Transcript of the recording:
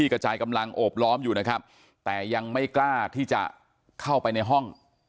กระจายกำลังโอบล้อมอยู่นะครับแต่ยังไม่กล้าที่จะเข้าไปในห้อง